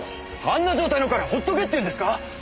あんな状態の彼放っとけって言うんですか？